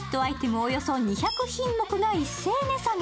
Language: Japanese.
およそ２００品目が一斉値下げ。